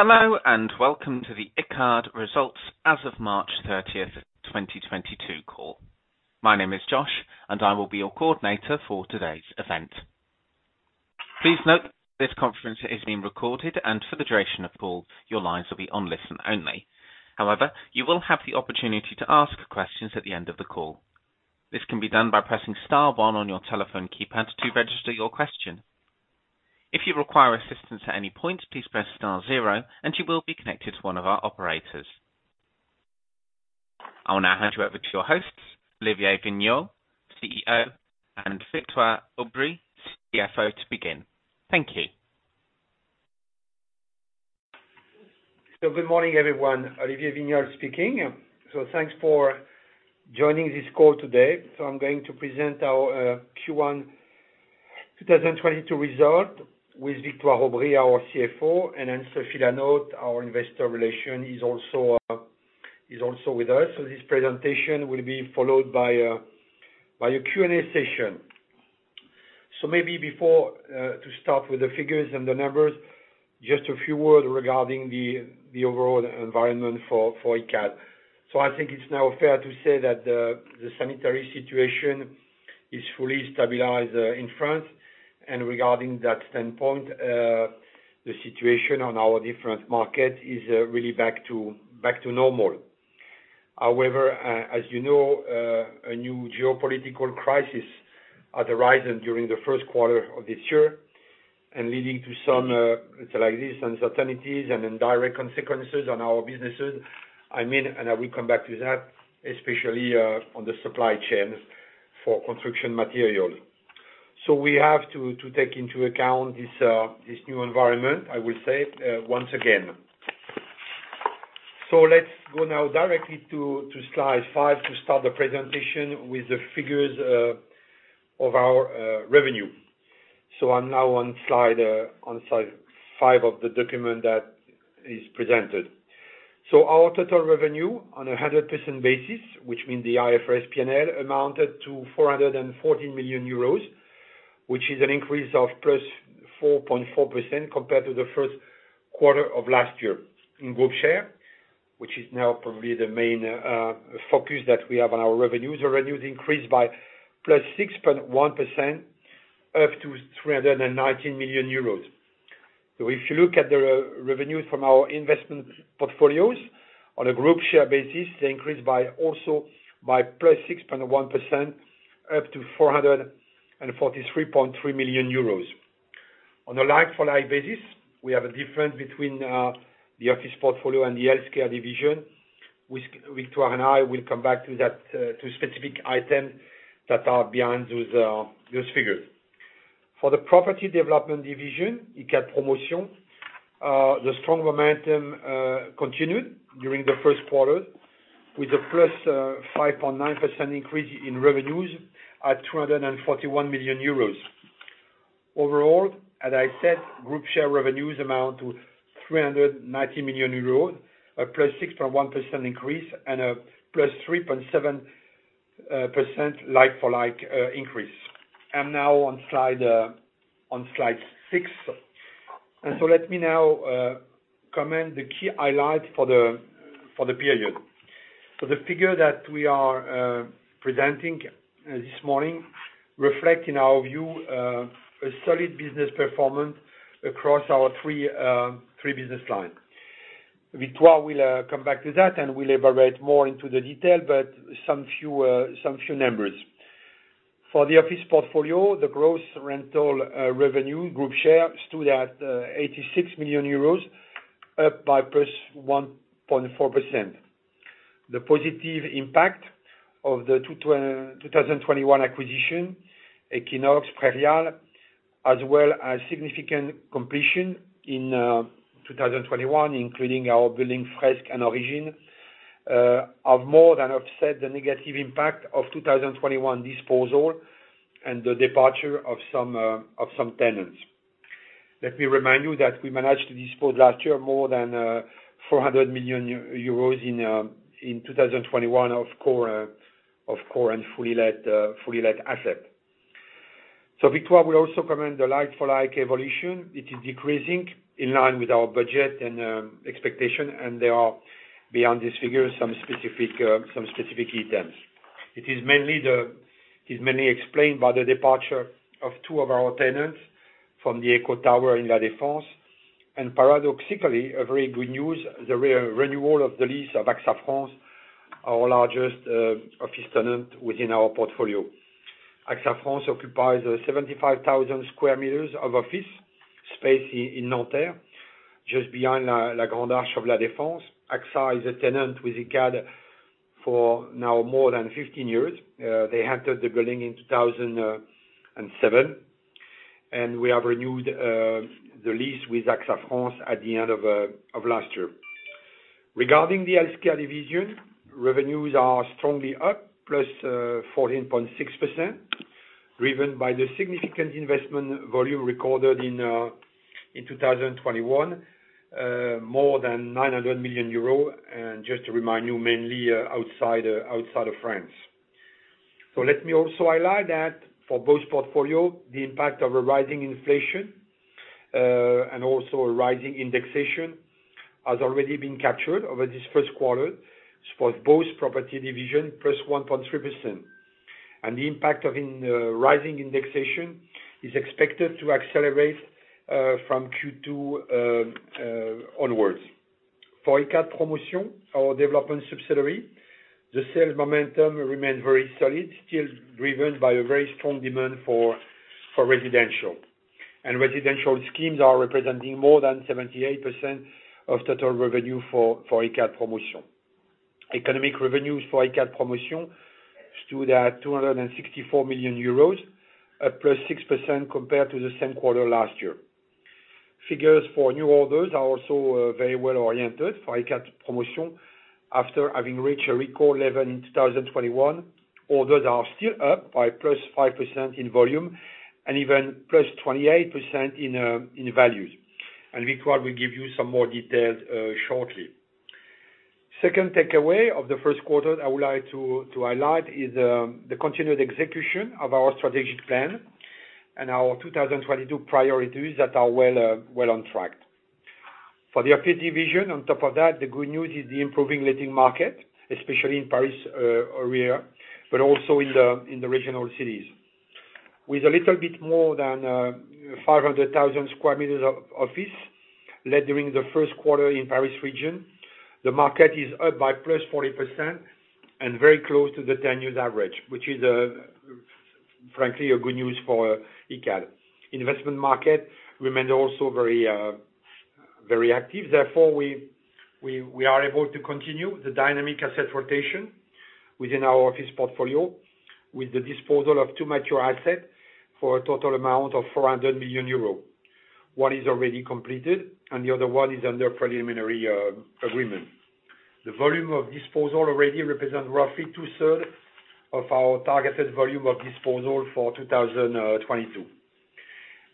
Hello, and welcome to the Icade Results as of March 30, 2022 Call. My name is Josh, and I will be your coordinator for today's event. Please note this conference is being recorded, and for the duration of call, your lines will be on listen only. However, you will have the opportunity to ask questions at the end of the call. This can be done by pressing star one on your telephone keypad to register your question. If you require assistance at any point, please press star zero, and you will be connected to one of our operators. I will now hand you over to your hosts, Olivier Wigniolle, CEO, and Victoire Aubry, CFO, to begin. Thank you. Good morning, everyone. Olivier Wigniolle speaking. Thanks for joining this call today. I'm going to present our Q1 2022 result with Victoire Aubry, our CFO, and then Anne-Sophie Lanaute, our Investor Relations, is also with us. This presentation will be followed by a Q&A session. Maybe before to start with the figures and the numbers, just a few words regarding the overall environment for Icade. I think it's now fair to say that the sanitary situation is fully stabilized in France. Regarding that standpoint, the situation on our different markets is really back to normal. However, as you know, a new geopolitical crisis at the horizon during the first quarter of this year and leading to some, like this, uncertainties and indirect consequences on our businesses, I mean, and I will come back to that, especially, on the supply chain for construction material. We have to take into account this new environment, I will say, once again. Let's go now directly to slide five to start the presentation with the figures of our revenue. I'm now on slide five of the document that is presented. Our total revenue on a 100% basis, which means the IFRS P&L, amounted to 440 million euros, which is an increase of +4.4% compared to the first quarter of last year. On group share, which is now probably the main focus that we have on our revenues. Our revenues increased by +6.1% up to 319 million euros. If you look at the revenue from our investment portfolios on a group share basis, they increased also by +6.1% up to 443.3 million euros. On a like-for-like basis, we have a difference between the office portfolio and the healthcare division, which Victoire and I will come back to that, to specific items that are behind those figures. For the property development division, Icade Promotion, the strong momentum continued during the first quarter with a +5.9% increase in revenues at 241 million euros. Overall, as I said, group share revenues amount to 390 million euros, a +6.1% increase and a +3.7% like-for-like increase. I'm now on slide six. Let me now comment the key highlights for the period. The figure that we are presenting this morning reflect, in our view, a solid business performance across our three business lines. Victoire will come back to that, and we'll elaborate more into the detail, but some few numbers. For the office portfolio, the gross rental revenue group share stood at 86 million euros, up by +1.4%. The positive impact of the 2021 acquisition, EQHO, Perial, as well as significant completion in 2021, including our building FRESK and Origine, have more than offset the negative impact of 2021 disposal and the departure of some tenants. Let me remind you that we managed to dispose last year more than 400 million euros in 2021 of core and fully let asset. Victoire will also comment the like-for-like evolution. It is decreasing in line with our budget and expectation, and there are, beyond these figures, some specific items. It's mainly explained by the departure of two of our tenants from the EQHO Tower in La Défense. Paradoxically, a very good news, the renewal of the lease of AXA France, our largest office tenant within our portfolio. AXA France occupies 75,000 m² of office space in Nanterre, just behind La Grande Arche of La Défense. AXA is a tenant with Icade for now more than 15 years. They entered the building in 2007, and we have renewed the lease with AXA France at the end of last year. Regarding the healthcare division, revenues are strongly up, plus 14.6%, driven by the significant investment volume recorded in 2021, more than 900 million euros, and just to remind you, mainly outside of France. Let me also highlight that for both portfolio, the impact of a rising inflation and also a rising indexation has already been captured over this first quarter for both property division, plus 1.3%. The impact of rising indexation is expected to accelerate from Q2 onwards. For Icade Promotion, our development subsidiary, the sales momentum remained very solid, still driven by a very strong demand for residential. Residential schemes are representing more than 78% of total revenue for Icade Promotion. Economic revenues for Icade Promotion stood at 264 million euros, at +6% compared to the same quarter last year. Figures for new orders are also very well oriented for Icade Promotion. After having reached a record level in 2021, orders are still up by +5% in volume and even +28% in values. Victoire will give you some more details, shortly. Second takeaway of the first quarter I would like to highlight is the continued execution of our strategic plan and our 2022 priorities that are well on track. For the office division, on top of that, the good news is the improving letting market, especially in Paris area, but also in the regional cities. With a little bit more than 500,000 m² of office let during the first quarter in Paris region, the market is up by +40% and very close to the 10-year average, which is frankly a good news for Icade. Investment market remained also very active. Therefore, we are able to continue the dynamic asset rotation within our office portfolio with the disposal of two mature assets for a total amount of 400 million euros. One is already completed, and the other one is under preliminary agreement. The volume of disposal already represent roughly two-thirds of our targeted volume of disposal for 2022.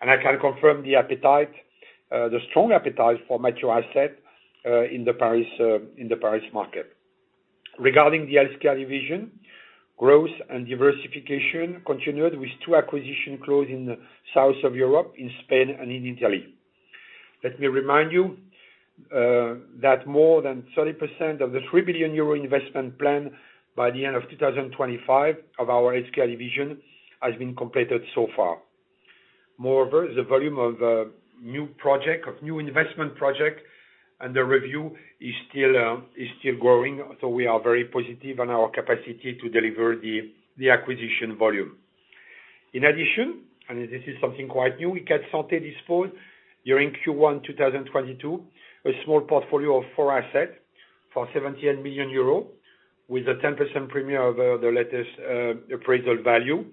I can confirm the appetite, the strong appetite for mature asset in the Paris market. Regarding the Icade Santé, growth and diversification continued with two acquisitions closed in the south of Europe, in Spain and in Italy. Let me remind you that more than 30% of the 3 billion euro investment plan by the end of 2025 of our Icade division has been completed so far. Moreover, the volume of new projects, of new investment projects and the pipeline is still growing, so we are very positive on our capacity to deliver the acquisition volume. In addition, and this is something quite new, Icade Santé disposed during Q1 2022 a small portfolio of four assets for 78 million euros with a 10% premium over the latest appraisal value.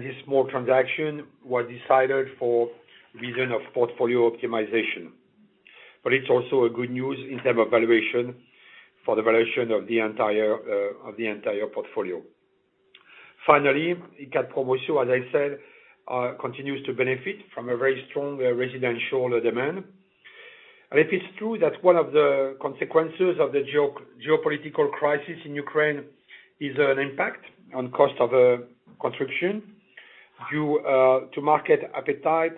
This small transaction was decided in view of portfolio optimization. It's also a good news in term of valuation for the valuation of the entire portfolio. Finally, Icade Promotion, as I said, continues to benefit from a very strong residential demand. It is true that one of the consequences of the geopolitical crisis in Ukraine is an impact on cost of construction. Due to market appetite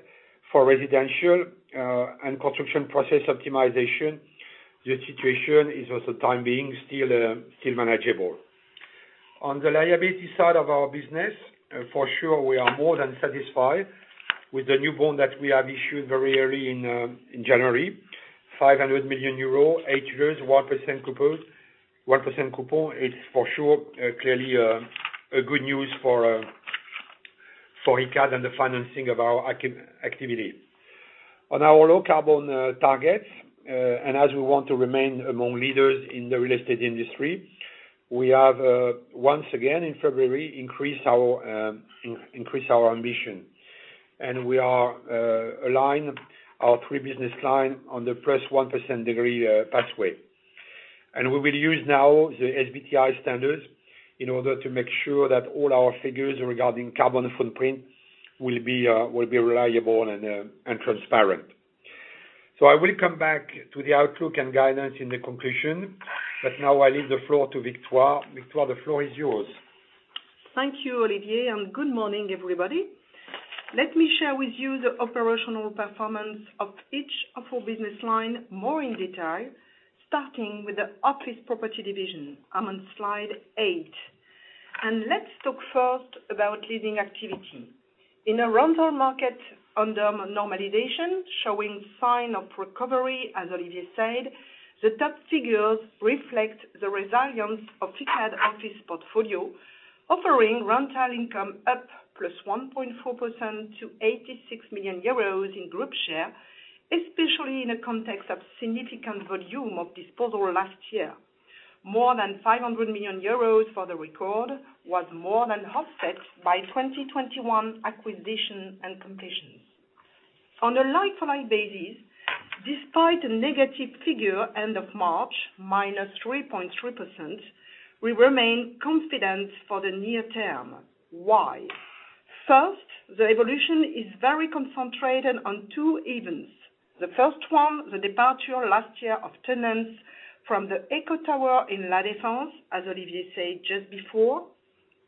for residential and construction process optimization, the situation is also, for the time being, still manageable. On the liability side of our business, for sure, we are more than satisfied with the new bond that we have issued very early in January. 500 million euro, eight years, 1% coupon. It's for sure clearly a good news for Icade and the financing of our activity. On our low-carbon targets, as we want to remain among leaders in the real estate industry, we have once again in February increased our ambition. We have aligned our three business lines on the 1.5-degree pathway. We will use now the SBTi standards in order to make sure that all our figures regarding carbon footprint will be reliable and transparent. I will come back to the outlook and guidance in the conclusion, but now I leave the floor to Victoire. Victoire, the floor is yours. Thank you, Olivier, and good morning, everybody. Let me share with you the operational performance of each of our business line more in detail, starting with the office property division. I'm on slide eight. Let's talk first about leasing activity. In a rental market under normalization, showing sign of recovery, as Olivier said, the top figures reflect the resilience of Icade office portfolio, offering rental income up +1.4% to 86 million euros in group share, especially in a context of significant volume of disposal last year. More than 500 million euros for the record was more than offset by 2021 acquisition and completions. On a like-for-like basis, despite a negative figure end of March, -3.3%, we remain confident for the near term. Why? First, the evolution is very concentrated on two events. The first one, the departure last year of tenants from the EQHO Tower in La Défense, as Olivier said just before.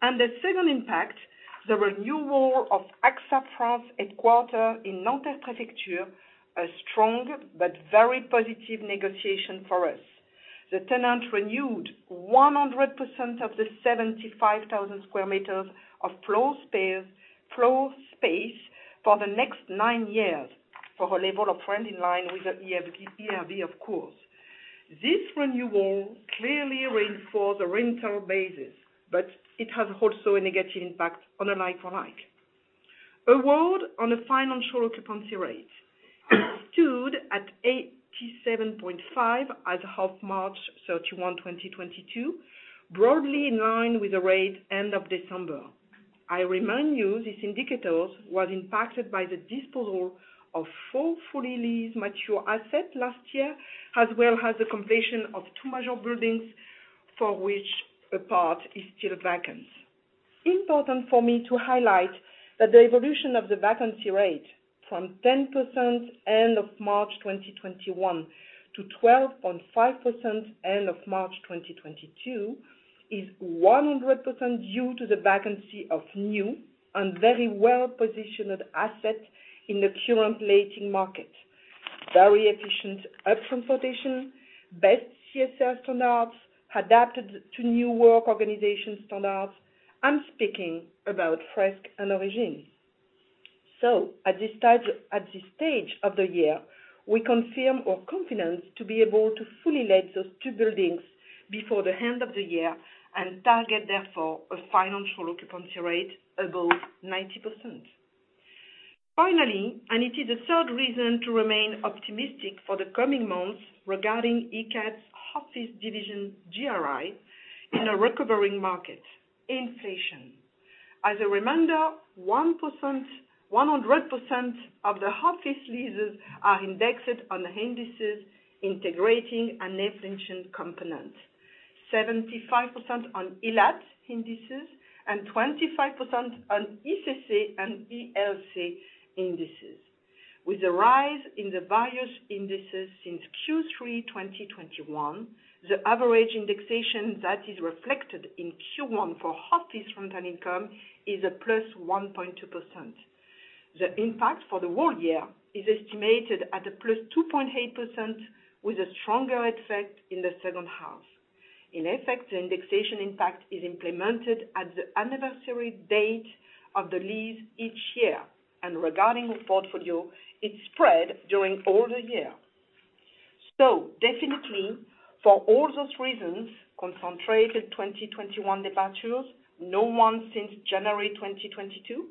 The second impact, the renewal of AXA France headquarters in Nanterre-Préfecture, a strong but very positive negotiation for us. The tenant renewed 100% of the 75,000 m² of floor space for the next nine years for a level of rents in line with the ERV, of course. This renewal clearly reinforced the rental basis, but it has also a negative impact on a like-for-like. A word on the financial occupancy rate stood at 87.5% as of March 31, 2022, broadly in line with the rate end of December. I remind you this indicator was impacted by the disposal of four fully leased mature assets last year, as well as the completion of two major buildings for which a part is still vacant. Important for me to highlight that the evolution of the vacancy rate from 10% end of March 2021 to 12.5% end of March 2022 is 100% due to the vacancy of new and very well-positioned assets in the current letting market. Very efficient upfront rotation, best CSR standards, adapted to new work organization standards. I'm speaking about FRESK and Origine. At this stage of the year, we confirm our confidence to be able to fully let those two buildings before the end of the year and target, therefore, a financial occupancy rate above 90%. Finally, it is the third reason to remain optimistic for the coming months regarding Icade's office division GRI in a recovering market: inflation. As a reminder, 100% of the office leases are indexed on the indices integrating an inflation component. 75% on ILAT indices and 25% on ICC and ILC indices. With the rise in the various indices since Q3 2021, the average indexation that is reflected in Q1 for office rental income is a +1.2%. The impact for the whole year is estimated at a +2.8% with a stronger effect in the second half. In effect, the indexation impact is implemented at the anniversary date of the lease each year. Regarding the portfolio, it's spread during all the year. Definitely, for all those reasons, concentrated 2021 departures, none since January 2022.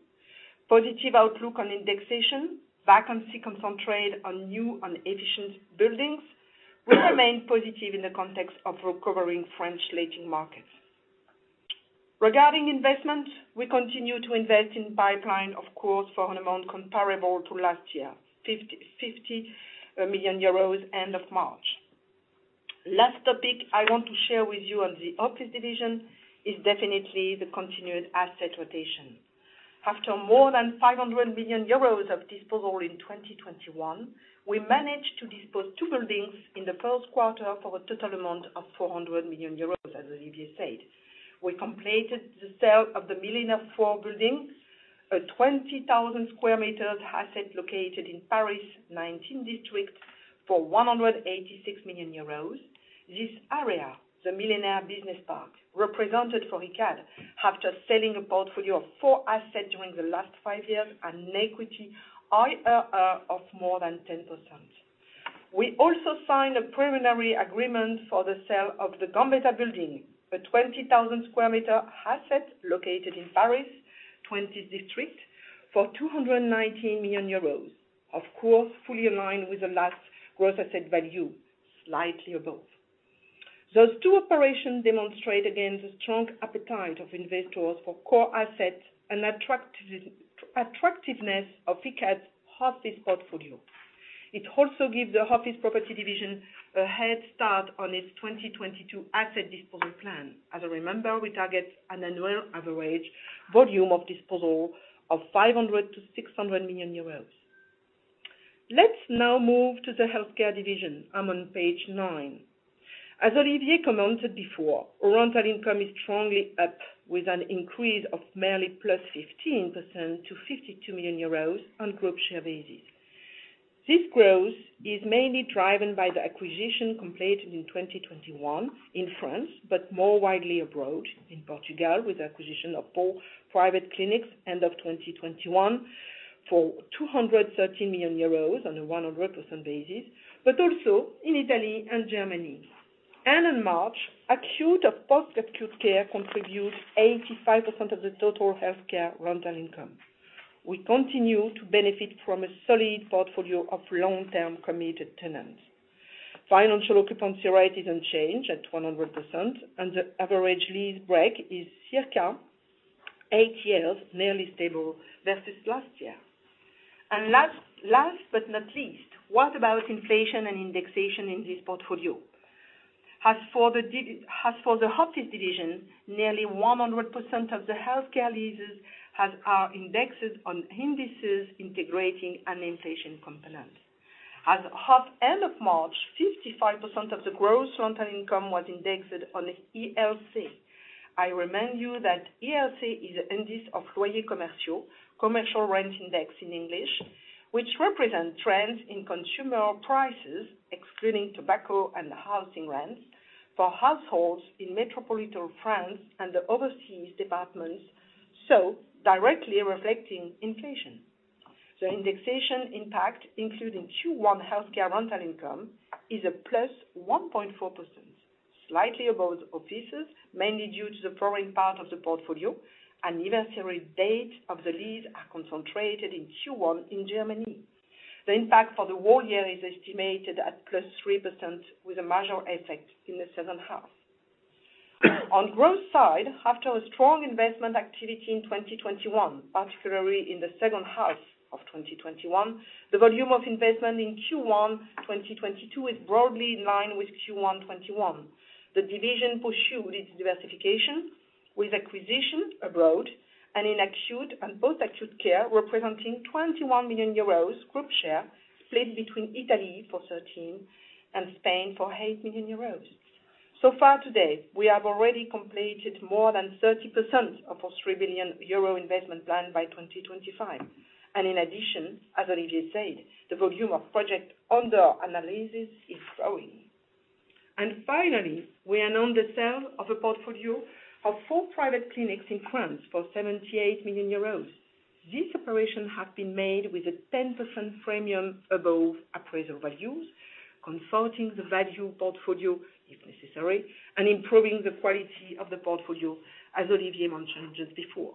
Positive outlook on indexation, vacancy concentrated on new and efficient buildings will remain positive in the context of recovering French letting markets. Regarding investment, we continue to invest in pipeline, of course, for an amount comparable to last year, 55 million euros end of March. Last topic I want to share with you on the office division is definitely the continued asset rotation. After more than 500 million euros of disposal in 2021, we managed to dispose two buildings in the first quarter for a total amount of 400 million euros, as Olivier said. We completed the sale of the Millénaire four building, a 20,000 m² asset located in Paris 19th district, for 186 million euros. This area, the Millénaire Business Park, represented for Icade, after selling a portfolio of four assets during the last five years, an equity IRR of more than 10%. We also signed a preliminary agreement for the sale of the Gambetta building, a 20,000 sq m asset located in Paris 20th district, for 219 million euros. Of course, fully aligned with the last growth asset value, slightly above. Those two operations demonstrate again the strong appetite of investors for core assets and attractiveness of Icade's office portfolio. It also gives the office property division a head start on its 2022 asset disposal plan. As a reminder, we target an annual average volume of disposal of 500 million-600 million euros. Let's now move to the healthcare division. I'm on page nine. As Olivier commented before, rental income is strongly up with an increase of merely +15% to 52 million euros on group share basis. This growth is mainly driven by the acquisition completed in 2021 in France, but more widely abroad in Portugal, with acquisition of four private clinics end of 2021 for 213 million euros on a 100% basis, but also in Italy and Germany. In March, acute or post-acute care contributed 85% of the total healthcare rental income. We continue to benefit from a solid portfolio of long-term committed tenants. Financial occupancy rate is unchanged at 100%, and the average lease break is circa eight years, nearly stable versus last year. Last but not least, what about inflation and indexation in this portfolio? As for the hospice division, nearly 100% of the healthcare leases are indexed on indices integrating an inflation component. As of end of March, 55% of the gross rental income was indexed on ILC. I remind you that ILC is an index of Loyer Commercial Rent index in English, which represent trends in consumer prices, excluding tobacco and housing rents for households in metropolitan France and the overseas departments, so directly reflecting inflation. The indexation impact, including Q1 healthcare rental income, is a +1.4%, slightly above offices, mainly due to the foreign part of the portfolio, and the anniversary date of the lease are concentrated in Q1 in Germany. The impact for the whole year is estimated at +3%, with a major effect in the second half. On growth side, after a strong investment activity in 2021, particularly in the second half of 2021, the volume of investment in Q1 2022 is broadly in line with Q1 2021. The division pursued its diversification with acquisition abroad and in acute and non-acute care, representing 21 million euros group share, split between Italy for 13 million and Spain for 8 million euros. So far today, we have already completed more than 30% of our 3 billion euro investment plan by 2025. As Olivier said, the volume of project under analysis is growing. Finally, we announced the sale of a portfolio of four private clinics in France for 78 million euros. This operation has been made with a 10% premium above appraisal values, consolidating the value portfolio, if necessary, and improving the quality of the portfolio, as Olivier mentioned just before.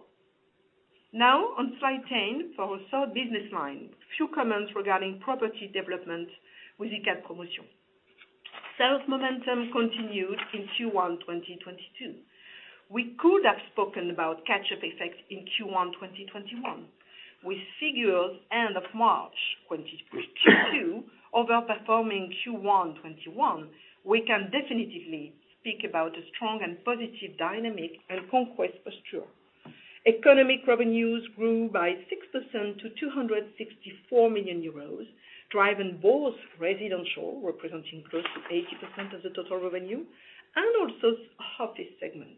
Now on slide 10, for our third business line, few comments regarding property development with Icade Promotion. Sales momentum continued in Q1 2022. We could have spoken about catch-up effects in Q1 2021. With figures end of March 2022 overperforming Q1 2021, we can definitively speak about a strong and positive dynamic and conquest posture. Economic revenues grew by 6% to 264 million euros, driven both residential, representing close to 80% of the total revenue, and also office segment.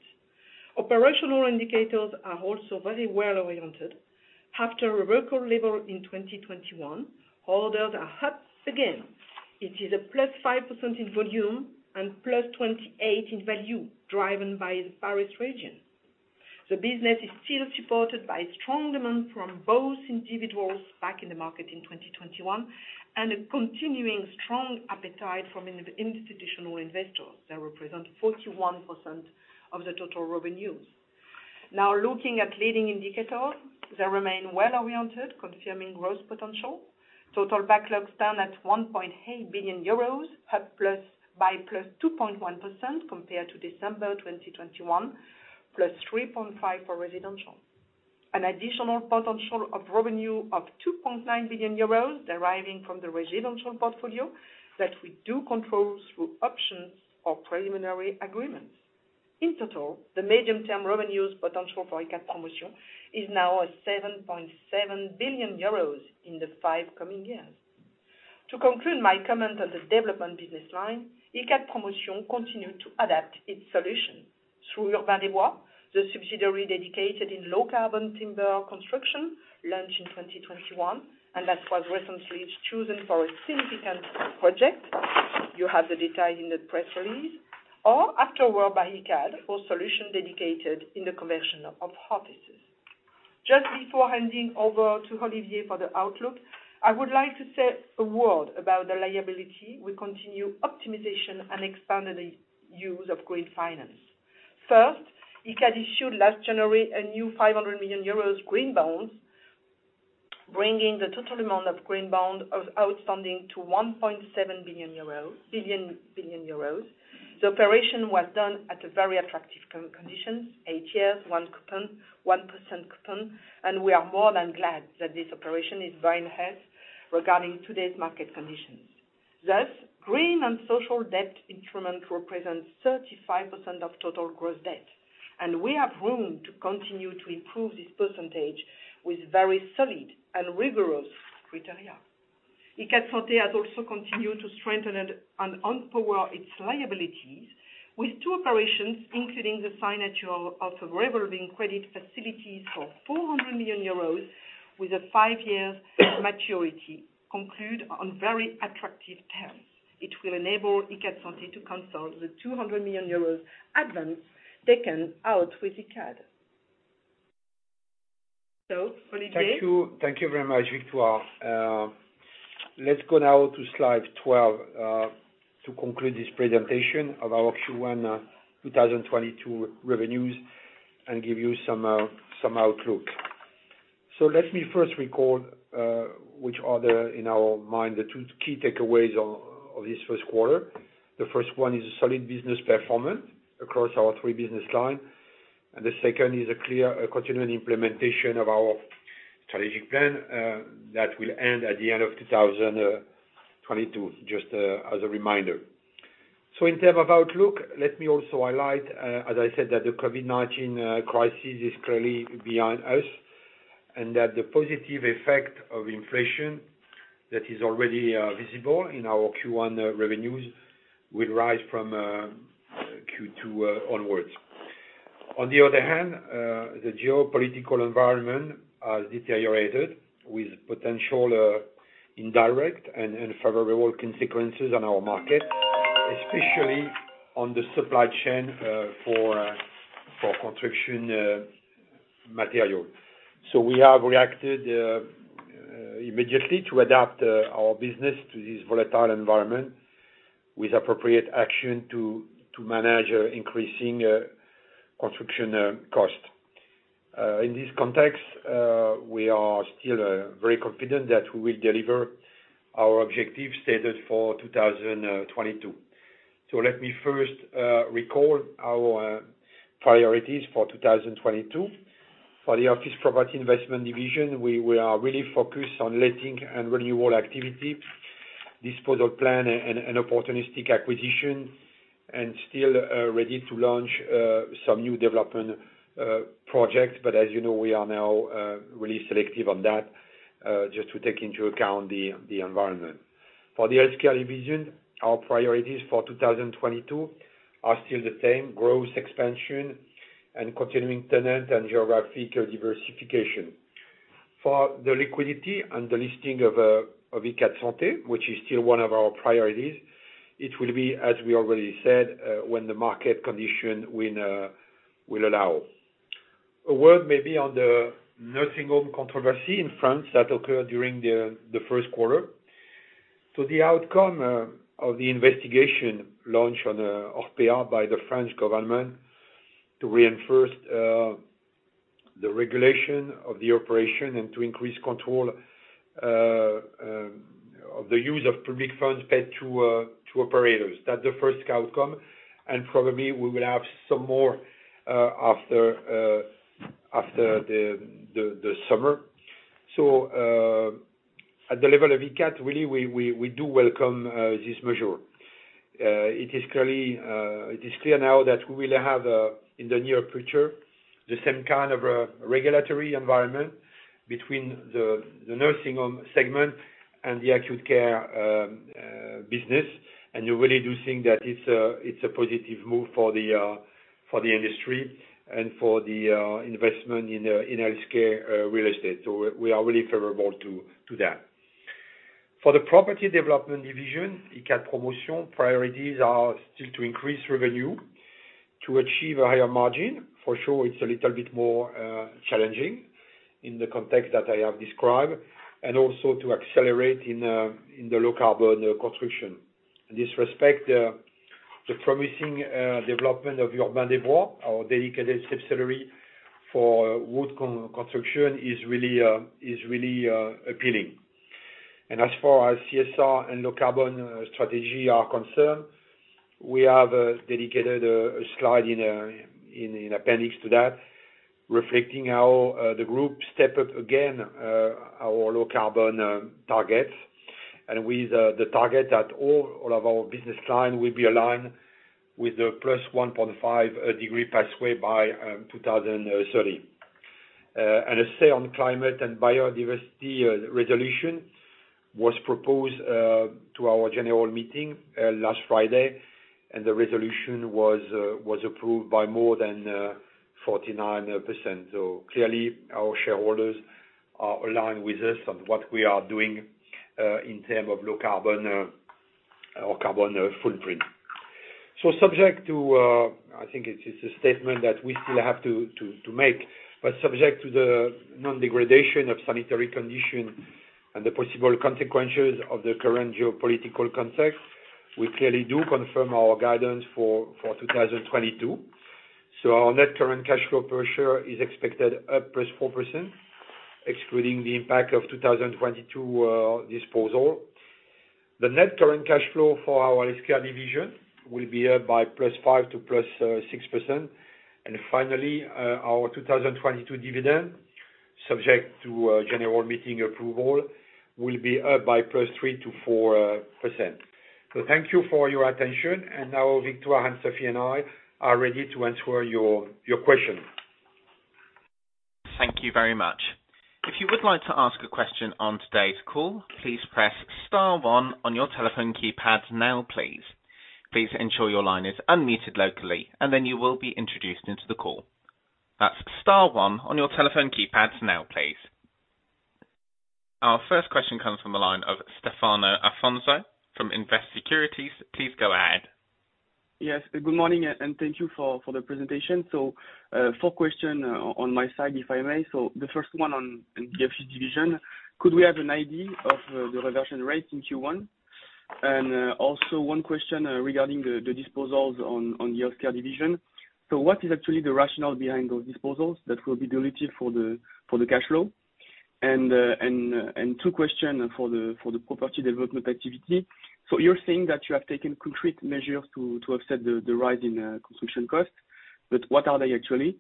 Operational indicators are also very well oriented. After a record level in 2021, orders are up again. It is a +5% in volume and +28% in value, driven by the Paris region. The business is still supported by strong demand from both individuals back in the market in 2021 and a continuing strong appetite from institutional investors that represent 41% of the total revenues. Now looking at leading indicator, they remain well-oriented, confirming growth potential. Total backlogs stand at 1.8 billion euros, up by +2.1% compared to December 2021, +3.5% for residential. An additional potential of revenue of 2.9 billion euros deriving from the residential portfolio that we do control through options or preliminary agreements. In total, the medium-term revenues potential for Icade Promotion is now at 7.7 billion euros in the five coming years. To conclude my comment on the development business line, Icade Promotion continued to adapt its solution through Urbain des Bois, the subsidiary dedicated to low-carbon timber construction, launched in 2021, and that was recently chosen for a significant project. You have the detail in the press release or AfterWork by Icade for solution dedicated to the conversion of offices. Just before handing over to Olivier for the outlook, I would like to say a word about the balance sheet with continued optimization and expanded use of green finance. First, Icade issued last January a new 500 million euros green bonds, bringing the total amount of green bonds outstanding to 1.7 billion euros. The operation was done at a very attractive conditions, eight years, one coupon, 1% coupon, and we are more than glad that this operation is very enhanced regarding today's market conditions. Thus, green and social debt instrument represents 35% of total gross debt, and we have room to continue to improve this percentage with very solid and rigorous criteria. Icade Santé has also continued to strengthen and empower its liabilities with two operations, including the signature of a revolving credit facilities for 400 million euros with a five-year maturity conclude on very attractive terms. It will enable Icade Santé to cancel the 200 million euros advance taken out with Icade. Olivier. Thank you. Thank you very much, Victoire. Let's go now to slide 12 to conclude this presentation of our Q1 2022 revenues and give you some outlook. Let me first recall which are, in our mind, the two key takeaways of this first quarter. The first one is solid business performance across our three business lines, and the second is a clear continuing implementation of our strategic plan that will end at the end of 2022, just as a reminder. In terms of outlook, let me also highlight, as I said, that the COVID-19 crisis is clearly behind us, and that the positive effect of inflation that is already visible in our Q1 revenues will arise from Q2 onwards. On the other hand, the geopolitical environment has deteriorated with potential indirect and favorable consequences on our market, especially on the supply chain for construction material. We have reacted immediately to adapt our business to this volatile environment with appropriate action to manage increasing construction cost. In this context, we are still very confident that we will deliver our objective status for 2022. Let me first recall our priorities for 2022. For the office property investment division, we are really focused on letting and renewal activity, disposal plan and opportunistic acquisition, and still ready to launch some new development projects. As you know, we are now really selective on that just to take into account the environment. For the healthcare division, our priorities for 2022 are still the same, growth, expansion and continuing tenant and geographic diversification. For the liquidity and the listing of Icade Santé, which is still one of our priorities, it will be, as we already said, when the market condition will allow. A word maybe on the nursing home controversy in France that occurred during the first quarter. The outcome of the investigation launched on Orpea by the French government to reinforce the regulation of the operation and to increase control of the use of public funds paid to operators. That's the first outcome, and probably we will have some more after the summer. At the level of Icade, really, we do welcome this measure. It is clear now that we will have in the near future the same kind of a regulatory environment between the nursing home segment and the acute care business. We really do think that it's a positive move for the industry and for the investment in healthcare real estate. We are really favorable to that. For the property development division, Icade Promotion, priorities are still to increase revenue to achieve a higher margin. For sure, it's a little bit more challenging in the context that I have described, and also to accelerate in the low carbon construction. In this respect, the promising development of Urbain des Bois, our dedicated subsidiary for wood construction is really appealing. As far as CSR and low carbon strategy are concerned, we have dedicated a slide in appendix to that, reflecting how the group step up again our low carbon targets. With the target that all of our business line will be aligned with the +1.5 degree pathway by 2030. A say on climate and biodiversity resolution was proposed to our general meeting last Friday, and the resolution was approved by more than 49%. Clearly our shareholders are aligned with this on what we are doing in terms of low carbon or carbon footprint. Subject to the non-degradation of sanitary condition and the possible consequences of the current geopolitical context, we clearly do confirm our guidance for 2022. Our net current cash flow per share is expected up +4%, excluding the impact of 2022 disposal. The net current cash flow for our healthcare division will be up by +5% to +6%. Our 2022 dividend, subject to a general meeting approval, will be up by +3% to +4%. Thank you for your attention, and now Victoire, Anne-Sophie and I are ready to answer your question. Thank you very much. If you would like to ask a question on today's call, please press star one on your telephone keypad now, please. Please ensure your line is unmuted locally, and then you will be introduced into the call. That's star one on your telephone keypads now, please. Our first question comes from the line of Stéphane Afonso from Invest Securities. Please go ahead. Yes. Good morning, and thank you for the presentation. Four questions on my side, if I may. The first one on the office division. Could we have an idea of the reversion rate in Q1? Also one question regarding the disposals on the healthcare division. What is actually the rationale behind those disposals that will be dilutive for the cash flow? Two questions for the property development activity. You're saying that you have taken concrete measures to offset the rise in construction costs. What are they actually?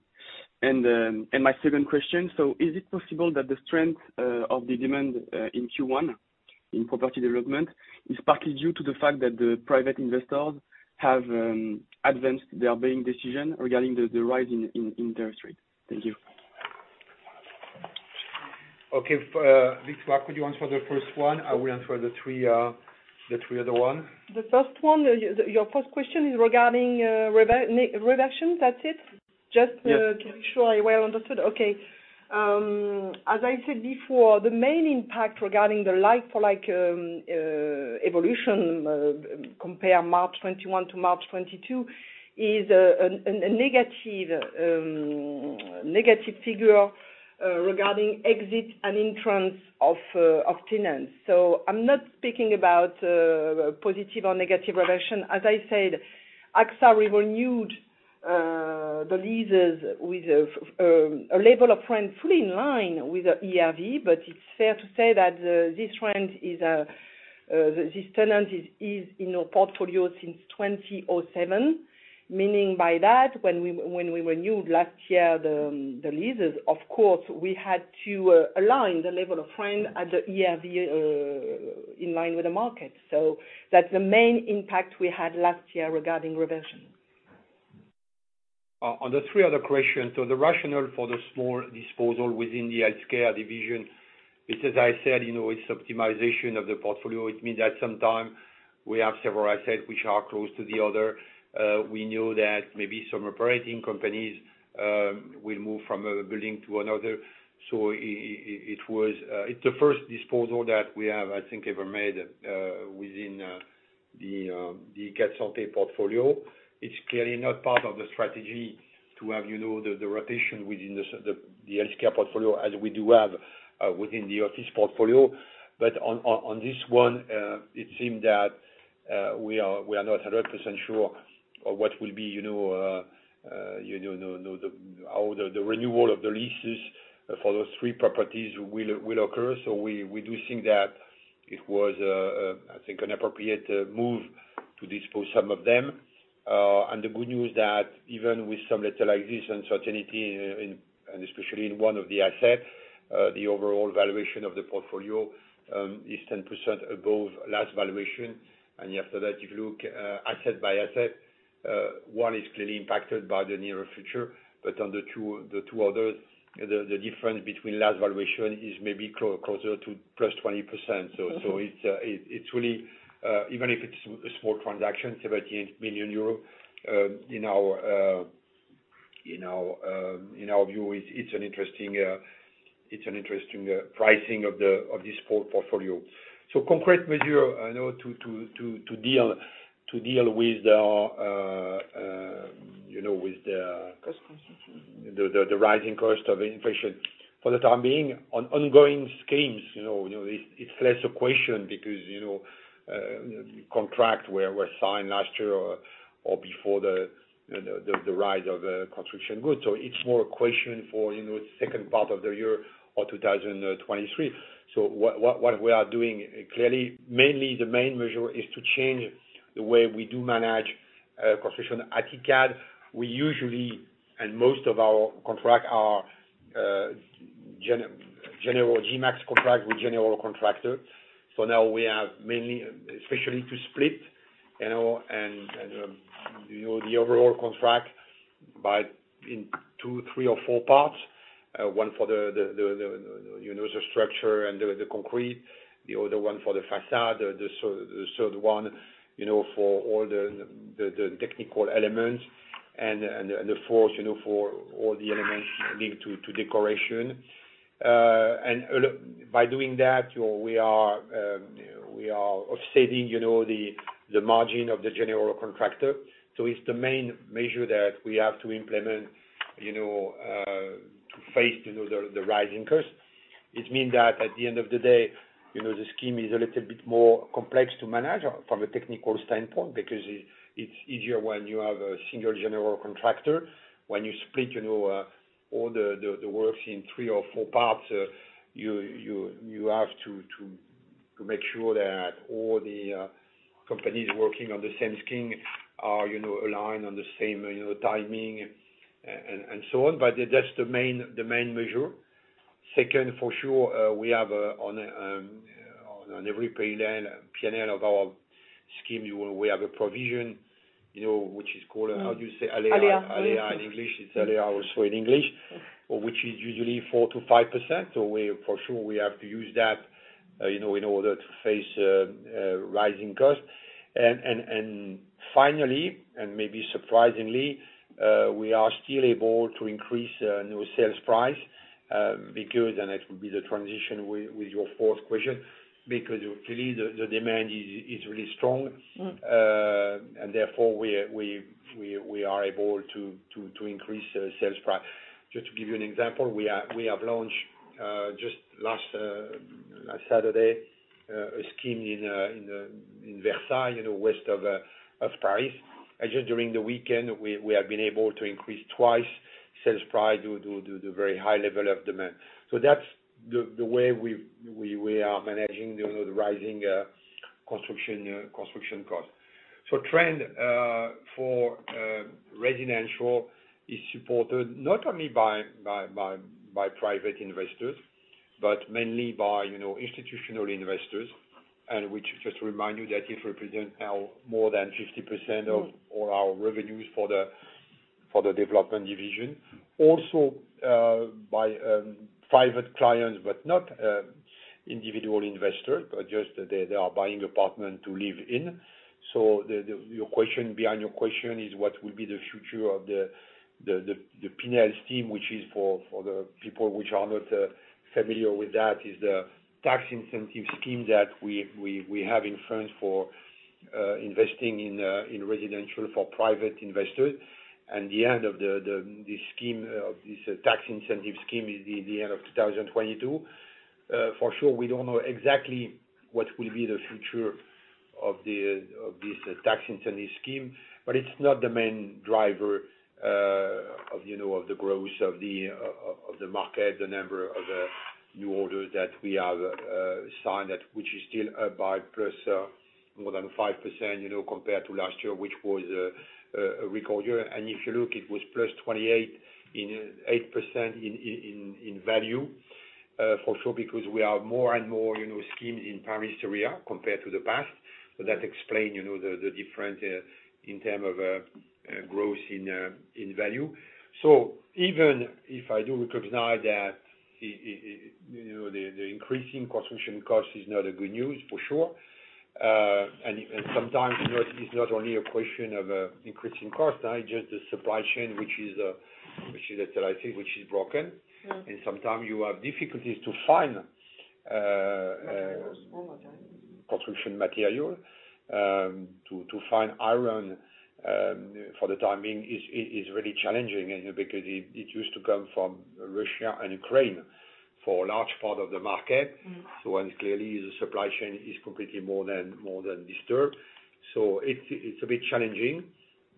My second question, is it possible that the strength of the demand in Q1 in property development is partly due to the fact that the private investors have advanced their buying decision regarding the rise in interest rates? Thank you. Okay. Victoire, could you answer the first one? I will answer the three other one. The first one, your first question is regarding reversion, that's it? Just, Yes To make sure I well understood. Okay. As I said before, the main impact regarding the like-for-like evolution compared March 2021 to March 2022 is a negative figure regarding exit and entrance of tenants. I'm not speaking about positive or negative reversion. As I said, AXA renewed the leases with a level of rent fully in line with the ERV. It's fair to say that this tenant is in our portfolio since 2007, meaning that when we renewed last year the leases, of course, we had to align the level of rent at the ERV in line with the market. That's the main impact we had last year regarding reversion. On the three other questions, the rationale for the small disposal within the healthcare division is, as I said, you know, it's optimization of the portfolio. It means that sometimes we have several assets which are close to the other. We knew that maybe some operating companies will move from a building to another. It's the first disposal that we have, I think, ever made within the Icade Santé portfolio. It's clearly not part of the strategy to have, you know, the rotation within the healthcare portfolio as we do have within the office portfolio. On this one, it seemed that we are not 100% sure of what will be, you know, how the renewal of the leases for those three properties will occur. We do think that it was, I think an appropriate move to dispose some of them. The good news that even with some level like this uncertainty in and especially in one of the assets, the overall valuation of the portfolio is 10% above last valuation. After that, if you look asset by asset, one is clearly impacted by the near future. On the two others, the difference between last valuation is maybe closer to +20%. It's really, even if it's a small transaction, 78 million euro, in our view, it's an interesting pricing of this portfolio. Concrete measure, you know, to deal with the, you know, with the- Cost consistency The rising cost of inflation for the time being on ongoing schemes, you know, it's less a question because, you know, contracts were signed last year or before the rise of the construction goods. It's more a question for, you know, second part of the year or 2023. What we are doing clearly, mainly the main measure is to change the way we do manage construction at Icade. We usually, and most of our contracts are general GMax contracts with general contractors. Now we have mainly especially to split, you know, and the overall contract into two, three or four parts. One for the structure and the concrete, the other one for the façade, the third one, you know, for all the technical elements and the fourth, you know, for all the elements linked to decoration. Look, by doing that, you know, we are offsetting, you know, the margin of the general contractor. It's the main measure that we have to implement, you know, to face the rising cost. It means that at the end of the day, you know, the scheme is a little bit more complex to manage from a technical standpoint because it's easier when you have a single general contractor. When you split, you know, all the works in three or four parts, you have to make sure that all the companies working on the same scheme are, you know, aligned on the same, you know, timing and so on. That's the main measure. Second, for sure, we have on every P&L of our scheme, you know, we have a provision, you know, which is called, how do you say Aléa? Aléa. Aléa in English. It's Aléa also in English, which is usually 4%-5%. We for sure have to use that, you know, in order to face rising costs. Finally, maybe surprisingly, we are still able to increase, you know, sales price, because it will be the transition with your fourth question, because clearly the demand is really strong. Mm. Therefore we are able to increase sales price. Just to give you an example, we have launched just last Saturday a scheme in Versailles in the west of Paris. Just during the weekend, we have been able to increase twice the sales price due to very high level of demand. That's the way we are managing, you know, the rising construction cost. Trend for residential is supported not only by private investors, but mainly by, you know, institutional investors, and which just remind you that it represent now more than 50% of all our revenues for the development division. by private clients, but not individual investors, but just they are buying apartment to live in. The question behind your question is what will be the future of the Pinel scheme, which is for the people which are not familiar with that, the tax incentive scheme that we have in France for investing in residential for private investors. The end of the scheme, this tax incentive scheme, is the end of 2022. For sure we don't know exactly what will be the future of this tax incentive scheme, but it's not the main driver of, you know, the growth of the market, the number of new orders that we have signed, which is still up by more than 5%, you know, compared to last year, which was a record year. If you look, it was +28.8% in value, for sure, because we have more and more, you know, schemes in Paris area compared to the past. That explain, you know, the difference in terms of growth in value. Even if I do recognize that it, you know, the increasing construction cost is not good news, for sure. Sometimes, you know, it's not only a question of increasing cost, just the supply chain, which is, I think, broken. Mm-hmm. Sometimes you have difficulties to find. One more time. Construction material. To find iron for the time being is really challenging, you know, because it used to come from Russia and Ukraine for a large part of the market. Mm-hmm. Clearly the supply chain is completely more than disturbed. It's a bit challenging.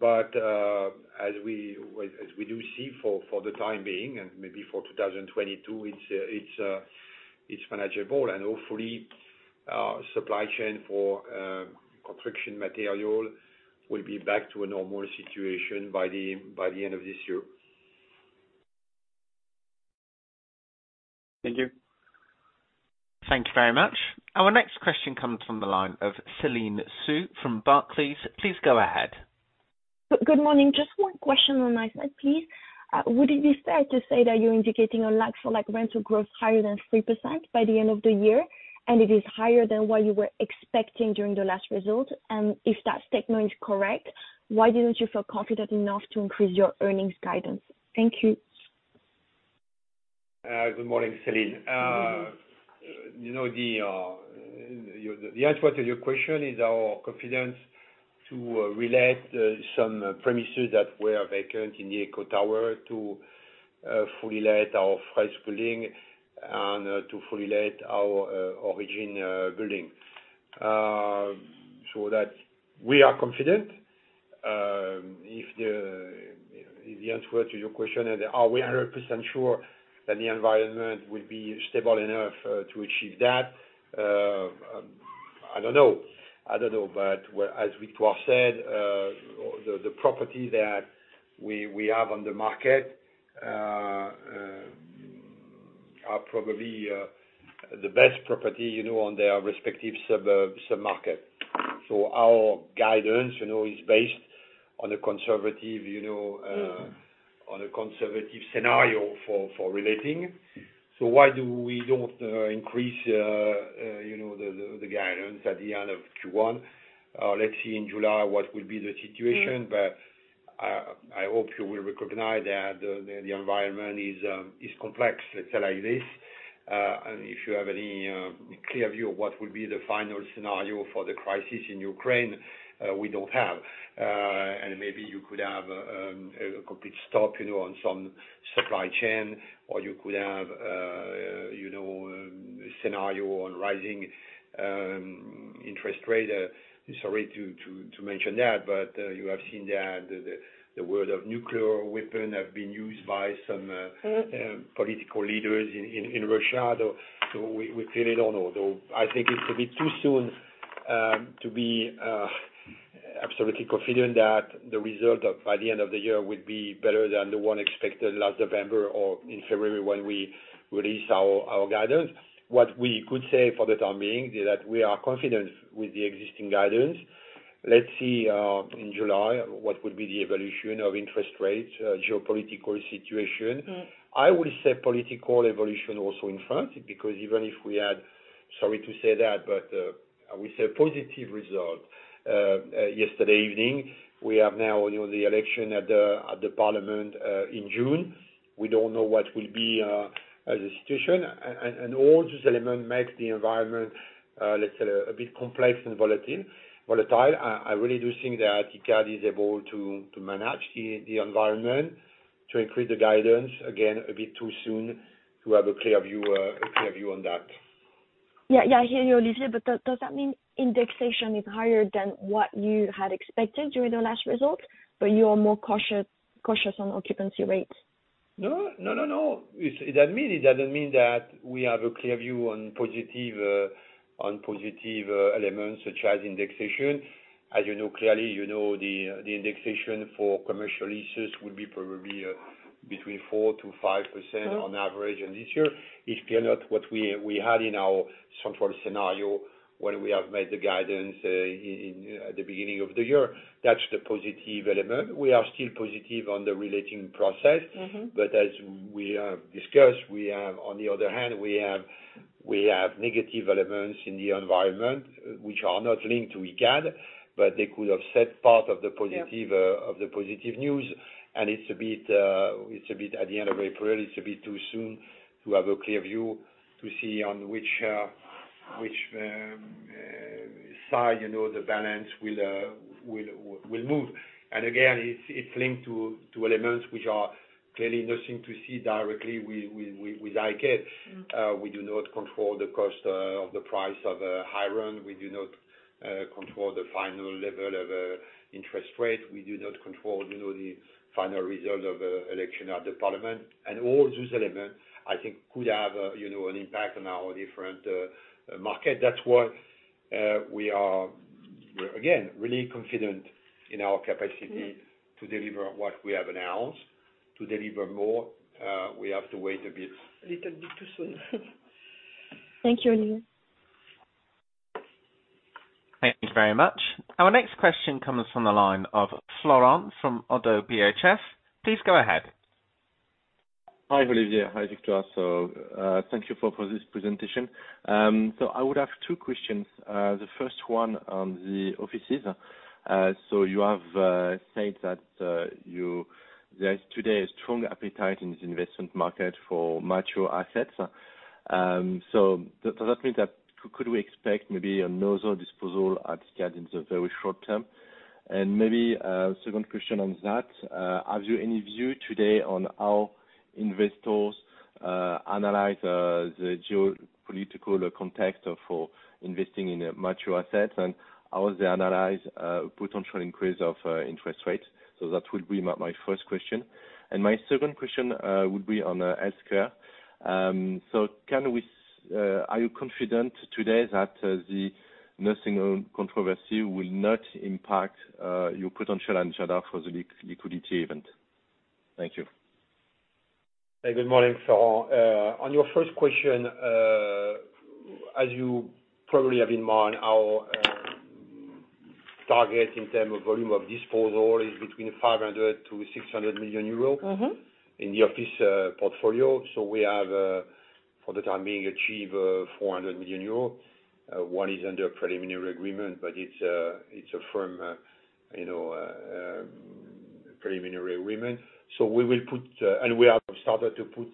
As we do see for the time being and maybe for 2022, it's manageable and hopefully supply chain for construction material will be back to a normal situation by the end of this year. Thank you. Thank you very much. Our next question comes from the line of Céline Soo-Huynh from Barclays. Please go ahead. Good morning. Just one question on my side, please. Would it be fair to say that you're indicating a lack of like-for-like rental growth higher than 3% by the end of the year, and it is higher than what you were expecting during the last result? If that statement is correct, why didn't you feel confident enough to increase your earnings guidance? Thank you. Good morning, Céline. You know, the answer to your question is our confidence to relet some premises that were vacant in the EQHO Tower to fully let our FRESK building and to fully let our Origine building. That we are confident. If the answer to your question is, are we 100% sure that the environment will be stable enough to achieve that? I don't know. As Victoire said, the property that we have on the market are probably the best property, you know, on their respective submarket. Our guidance, you know, is based on a conservative scenario for reletting. Why do we don't increase you know the guidance at the end of Q1? Let's see in July what will be the situation. Mm. I hope you will recognize that the environment is complex, let's say like this. If you have any clear view of what will be the final scenario for the crisis in Ukraine, we don't have. Maybe you could have a complete stop, you know, on some supply chain or you could have, you know, a scenario on rising interest rate. Sorry to mention that, but you have seen that the world of nuclear weapon have been used by some. Mm. Political leaders in Russia. We clearly don't know. Though I think it's a bit too soon to be absolutely confident that the results by the end of the year would be better than the one expected last November or in February when we released our guidance. What we could say for the time being is that we are confident with the existing guidance. Let's see in July what would be the evolution of interest rates, geopolitical situation. Mm. I will say political evolution also in France, because even if we had, sorry to say that, but, we saw positive result yesterday evening. We have now, you know, the election at the parliament in June. We don't know what will be the situation. All these elements makes the environment, let's say a bit complex and volatile. Volatile. I really do think that Icade is able to manage the environment to increase the guidance. Again, a bit too soon to have a clear view on that. Yeah, yeah, I hear you, Olivier. Does that mean indexation is higher than what you had expected during the last result, but you are more cautious on occupancy rates? No. It doesn't mean that we have a clear view on positive elements such as indexation. As you know, clearly, you know, the indexation for commercial leases would be probably between 4%-5%. Mm-hmm. On average in this year. It's clearly not what we had in our central scenario when we had made the guidance in at the beginning of the year. That's the positive element. We are still positive on the letting process. Mm-hmm. As we have discussed, on the other hand, we have negative elements in the environment which are not linked to Icade, but they could have set part of the positive. Yeah. Of the positive news. It's a bit at the end of April. It's a bit too soon to have a clear view to see on which side, you know, the balance will move. It's linked to elements which are clearly nothing to do directly with Icade. Mm. We do not control the cost of higher. We do not control the final level of interest rate. We do not control, you know, the final result of election at the parliament. All those elements, I think, could have, you know, an impact on our different markets. That's why we are, again, really confident in our capacity- Mm. To deliver what we have announced. To deliver more, we have to wait a bit. A little bit too soon. Thank you, Olivier. Thank you very much. Our next question comes from the line of Florent from ODDO BHF. Please go ahead. Hi, Olivier. Hi, Victoire. Thank you for this presentation. I would have two questions. The first one on the offices. You have said that there's today a strong appetite in the investment market for mature assets. Does that mean that could we expect maybe another disposal at Icade in the very short term? Maybe second question on that, have you any view today on how investors analyze the geopolitical context for investing in mature assets, and how they analyze potential increase of interest rates? That would be my first question. My second question would be on healthcare. Are you confident today that the nursing home controversy will not impact your potential and schedule for the liquidity event? Thank you. Hey, good morning, Florent. On your first question, as you probably have in mind, our target in terms of volume of disposal is between 500 million-600 million euro. Mm-hmm. In the office portfolio. We have, for the time being, achieved 400 million euros. One is under preliminary agreement, but it's a firm, you know, preliminary agreement. We will put, and we have started to put,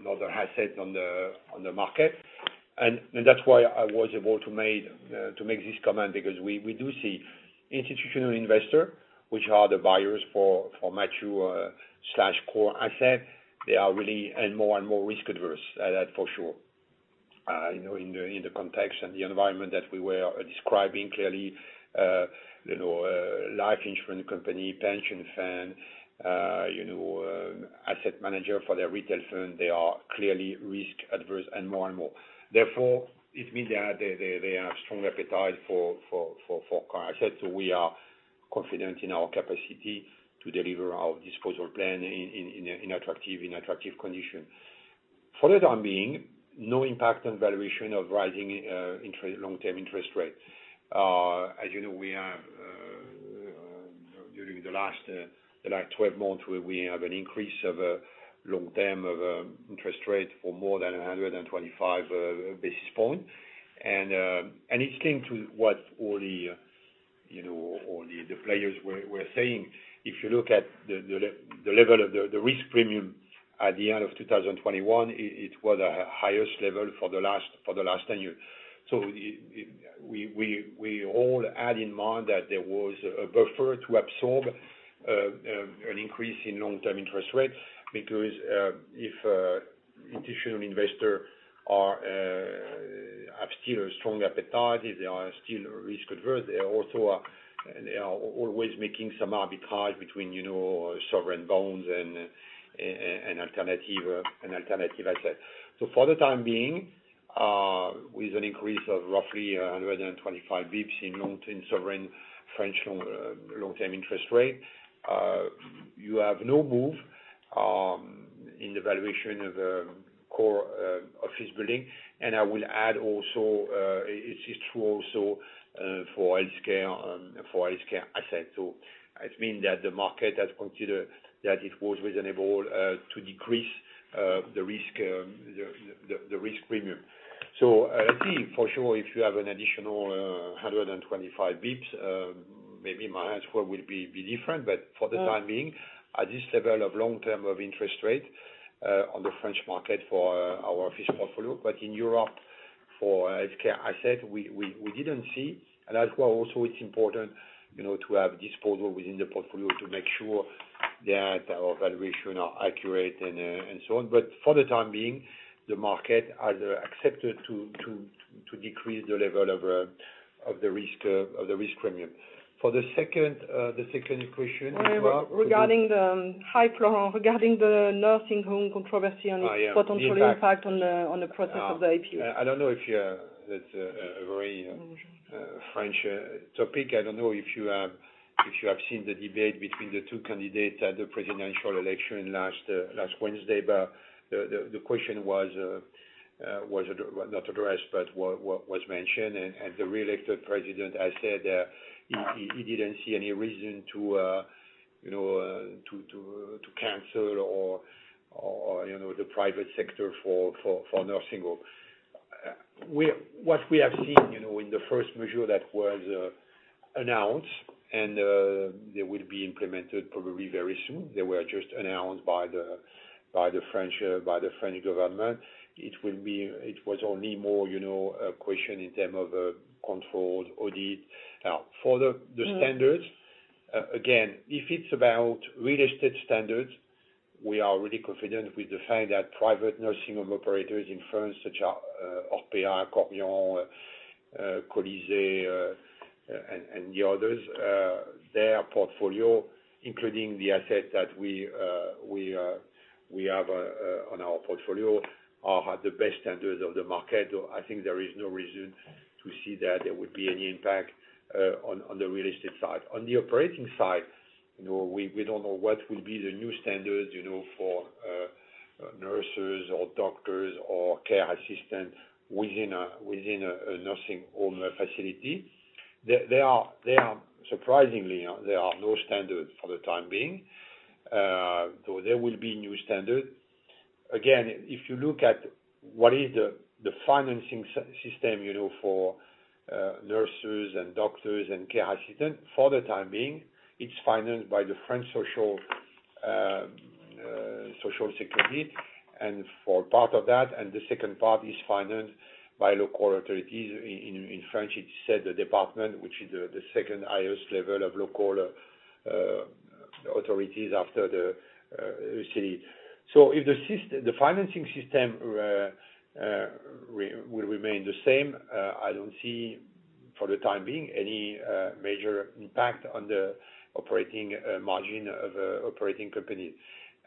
another asset on the market. That's why I was able to make this comment because we do see institutional investor, which are the buyers for mature slash core asset. They are really, and more and more risk averse. That's for sure. You know, in the context and the environment that we were describing clearly, you know, life insurance company, pension fund, you know, asset manager for their retail fund, they are clearly risk averse and more and more. Therefore, it means there is a strong appetite for core asset. We are confident in our capacity to deliver our disposal plan in attractive condition. For the time being, no impact on valuation of rising long-term interest rates. As you know, during the last 12 months, we have an increase of long-term interest rate for more than 125 basis point. It came to what all the, you know, all the players were saying. If you look at the level of the risk premium at the end of 2021, it was a highest level for the last 10 years. We all had in mind that there was a buffer to absorb an increase in long-term interest rates because if institutional investors have still a strong appetite, they are still risk averse. They also are always making some arbitrage between, you know, sovereign bonds and alternative asset. For the time being, with an increase of roughly 125 basis points in long-term sovereign French long-term interest rate, you have no move in the valuation of core office building. I will add also, it's true also for healthcare asset. It mean that the market has considered that it was reasonable to decrease the risk premium. I think for sure, if you have an additional 125 basis points, maybe my answer will be different. For the time being- Mm. At this level of long-term of interest rate on the French market for our office portfolio, but in Europe for healthcare asset, we didn't see. That's why also it's important, you know, to have disposal within the portfolio to make sure that our valuation are accurate and so on. But for the time being, the market either accepted to decrease the level of the risk premium. For the second question as well. Regarding the nursing home controversy and its. Oh, yeah. Potential impact on the process of the IPO. I don't know if you, that's a very French topic. I don't know if you have seen the debate between the two candidates at the presidential election last Wednesday. The question was not addressed, but was mentioned. The reelected president has said, he didn't see any reason to, you know, to cancel or, you know, the private sector for nursing home. What we have seen, you know, in the first measure that was announced and they will be implemented probably very soon. They were just announced by the French government. It was only more, you know, a question in term of controlled audit. Now, for the standards. Mm-hmm. Again, if it's about real estate standards, we are really confident with the fact that private nursing home operators in France, such as Orpea, Korian, Colisée, and the others. Their portfolio, including the assets that we have on our portfolio, have the best standards of the market. I think there is no reason to see that there would be any impact on the real estate side. On the operating side, you know, we don't know what will be the new standards, you know, for nurses or doctors or care assistants within a nursing home facility. There are surprisingly no standards for the time being. There will be new standards. Again, if you look at what is the financing system for nurses and doctors and care assistants, for the time being, it's financed by the French Social Security, and for part of that. The second part is financed by local authorities. In French, it's said the department, which is the second highest level of local authorities after the city. If the financing system will remain the same, I don't see, for the time being any major impact on the operating margin of operating companies.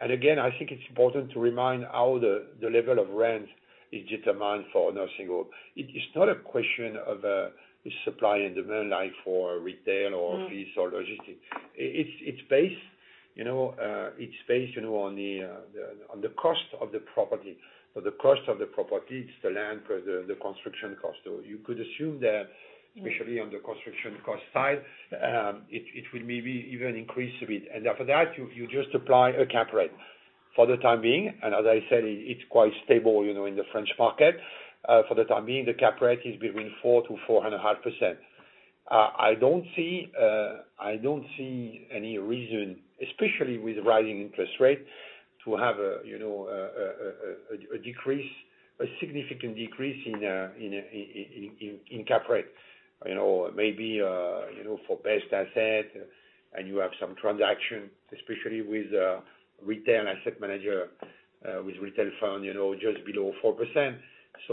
Again, I think it's important to remind how the level of rent is determined for a nursing home. It is not a question of the supply and demand like for retail or- Mm-hmm. Lease or logistics. It's based, you know, on the cost of the property. The cost of the property is the land plus the construction cost. You could assume that. Yeah. Especially on the construction cost side, it will maybe even increase a bit. After that, you just apply a cap rate. For the time being, as I said, it's quite stable, you know, in the French market. For the time being, the cap rate is between 4%-4.5%. I don't see any reason, especially with rising interest rates, to have a decrease, a significant decrease in cap rate. You know, maybe for best asset and you have some transaction, especially with retail asset manager, with retail fund, you know, just below 4%.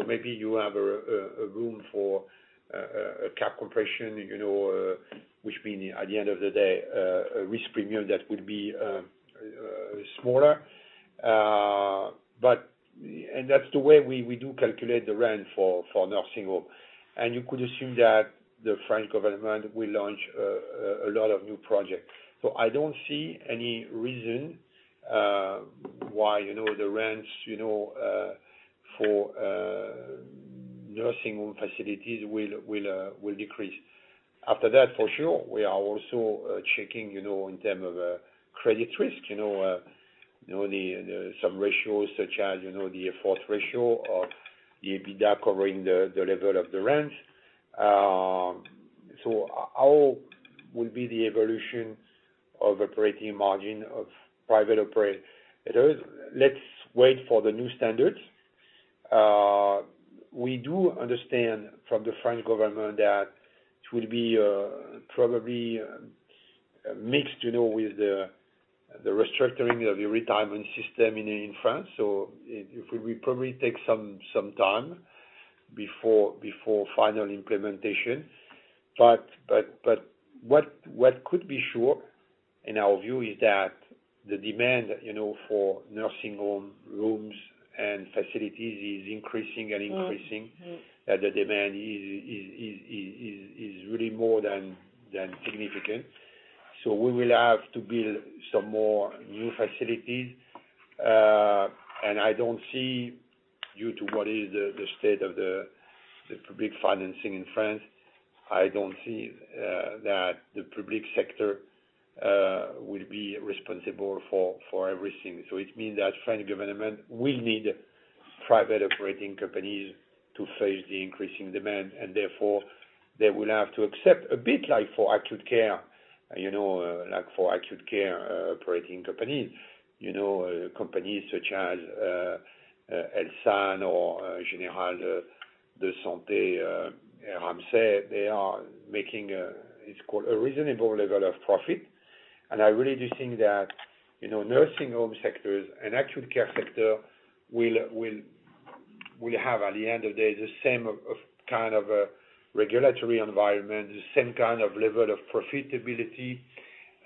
Maybe you have a room for a cap compression, you know, which mean at the end of the day a risk premium that would be smaller. That's the way we do calculate the rent for nursing home. You could assume that the French government will launch a lot of new projects. I don't see any reason why, you know, the rents, you know, for nursing home facilities will decrease. After that, for sure, we are also checking, you know, in terms of credit risk, you know, some ratios such as, you know, the effort ratio of the EBITDA covering the level of the rents. How will be the evolution of operating margin of private operators? Let's wait for the new standards. We do understand from the French government that it will be probably mixed, you know, with the restructuring of the retirement system in France. It will probably take some time before final implementation. What could be sure in our view is that the demand, you know, for nursing home rooms and facilities is increasing and increasing. Mm-hmm. The demand is really more than significant. We will have to build some more new facilities. I don't see, due to the state of the public financing in France, that the public sector will be responsible for everything. It means that French government will need private operating companies to face the increasing demand, and therefore they will have to accept a bit like for acute care, you know, operating companies. Companies such as Elsan or Ramsay Générale de Santé are making what is called a reasonable level of profit. I really do think that, you know, nursing home sectors and acute care sector will have, at the end of the day, the same kind of a regulatory environment, the same kind of level of profitability.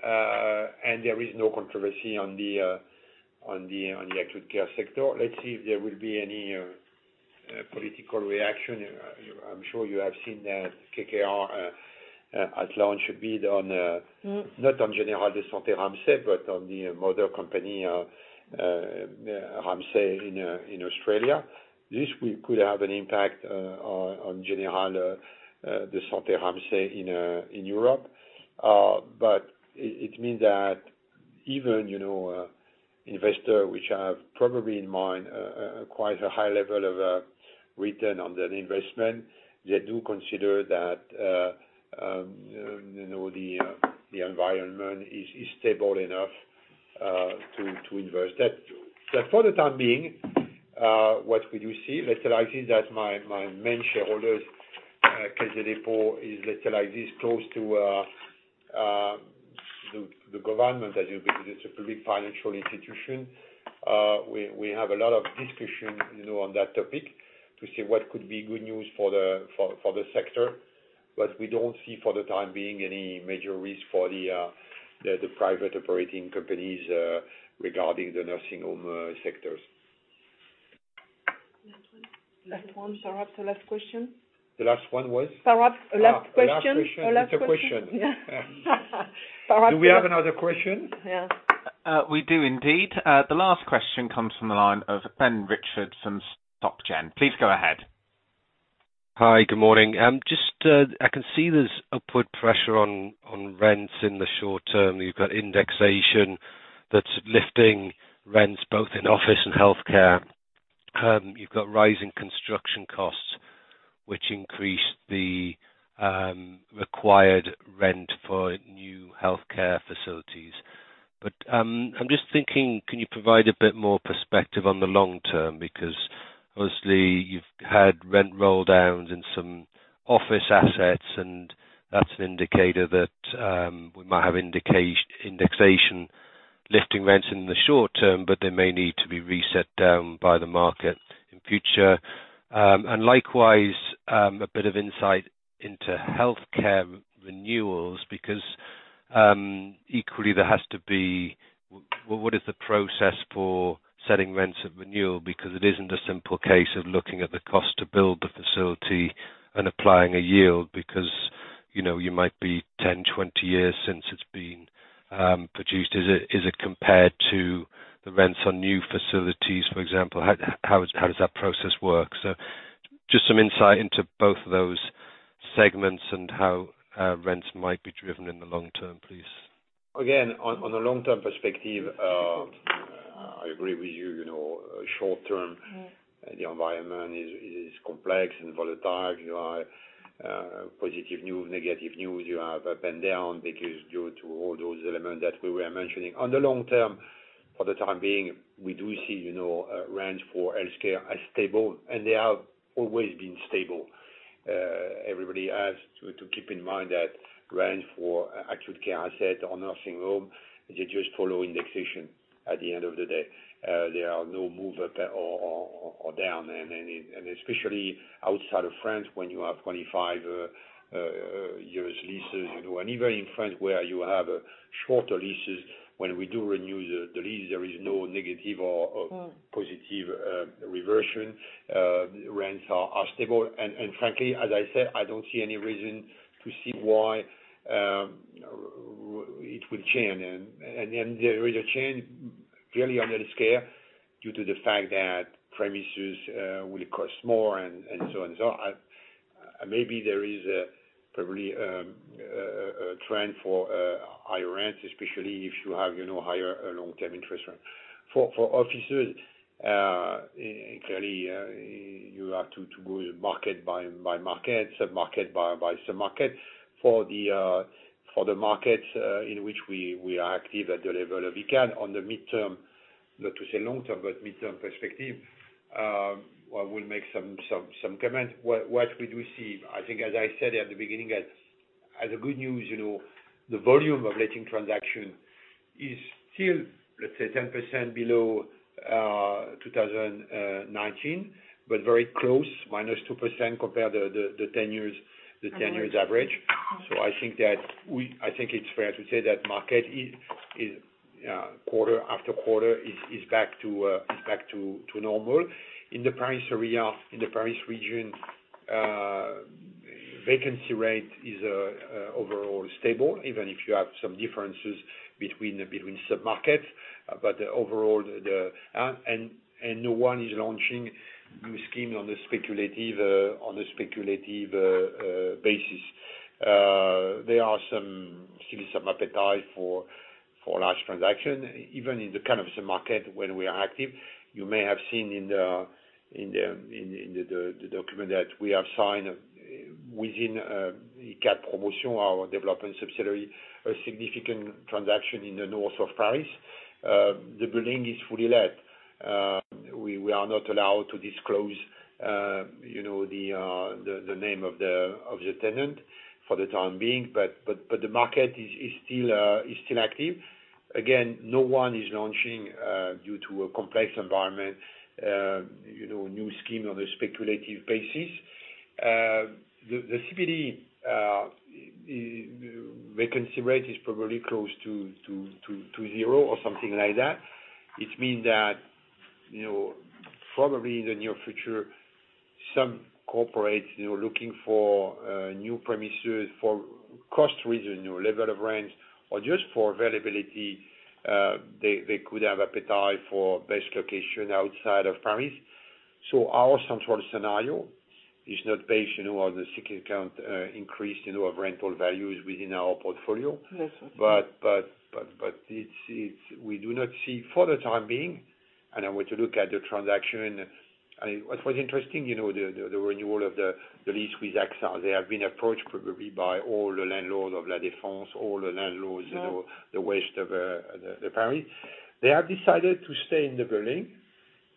There is no controversy on the acute care sector. Let's see if there will be any political reaction. I'm sure you have seen that KKR has launched a bid on Mm. Not on Ramsay Générale de Santé, but on the mother company, Ramsay Health Care in Australia. This could have an impact on Ramsay Générale de Santé in Europe. It means that even, you know, investor which have probably in mind quite a high level of return on their investment, they do consider that, you know, the environment is stable enough to invest that. For the time being, what could you see? Let's say I see that my main shareholders, Caisse des Dépôts, is, let's say, like this, close to the government, as it's a public financial institution. We have a lot of discussion on that topic to see what could be good news for the sector. We don't see, for the time being, any major risk for the private operating companies regarding the nursing home sectors. Last one. Perhaps the last question. The last one was? Perhaps last question. Last question. Our last question. It's a question. Yeah. Do we have another question? Yeah. We do indeed. The last question comes from the line of Benoît Faure-Jarrosson, Invest Securities. Please go ahead. Hi, good morning. I can see there's upward pressure on rents in the short term. You've got indexation that's lifting rents both in office and healthcare. You've got rising construction costs, which increase the required rent for new healthcare facilities. I'm just thinking, can you provide a bit more perspective on the long term? Because obviously you've had rent rolldown in some office assets, and that's an indicator that we might have indexation lifting rents in the short term, but they may need to be reset down by the market in future. Likewise, a bit of insight into healthcare renewals, because equally there has to be what is the process for setting rents at renewal? Because it isn't a simple case of looking at the cost to build the facility and applying a yield because, you know, you might be 10, 20 years since it's been produced. Is it compared to the rents on new facilities, for example? How does that process work? Just some insight into both of those segments and how rents might be driven in the long term, please. Again, on a long-term perspective, I agree with you. You know, short term- Mm. The environment is complex and volatile. You are positive news, negative news, you have up and down because due to all those elements that we were mentioning. In the long term, for the time being, we do see, you know, rents for healthcare as stable, and they have always been stable. Everybody has to keep in mind that rent for acute care asset or nursing home, they just follow indexation at the end of the day. There are no move up at all or down. Especially outside of France, when you have 25-year leases, you know, and even in France, where you have shorter leases, when we do renew the lease, there is no negative or positive reversion. Rents are stable. Frankly, as I said, I don't see any reason to see why it will change. There is a change really under the scale due to the fact that premises will cost more and so on. Maybe there is probably a trend for higher rents, especially if you have, you know, higher long-term interest rates. For offices, clearly, you have to go market by market, sub-market by sub-market. For the market in which we are active at the level of Icade on the midterm, not to say long term, but midterm perspective, I will make some comments. What we do see, I think, as I said at the beginning, as good news, you know, the volume of letting transaction is still, let's say 10% below 2019, but very close, -2% compared to the 10-year average. Average. I think it's fair to say that the market is quarter after quarter back to normal. In the Paris area, in the Paris region, vacancy rate is overall stable, even if you have some differences between sub-markets. Overall, no one is launching new scheme on a speculative basis. There is still some appetite for large transaction, even in the kind of sub-market when we are active. You may have seen in the document that we have signed. Within Icade Promotion, our development subsidiary, a significant transaction in the north of Paris. The building is fully let. We are not allowed to disclose, you know, the name of the tenant for the time being, but the market is still active. Again, no one is launching due to a complex environment, you know, new scheme on a speculative basis. The CBD vacancy rate is probably close to zero or something like that. It means that, you know, probably in the near future, some corporates, you know, looking for new premises for cost reason, you know, level of rents or just for availability, they could have appetite for best location outside of Paris. Our central scenario is not based, you know, on the second count increase, you know, of rental values within our portfolio. Yes. It's we do not see for the time being, and I want to look at the transaction. I mean, what was interesting, you know, the renewal of the lease with AXA. They have been approached probably by all the landlords of La Défense, all the landlords, you know, the west of the Paris. They have decided to stay in the building.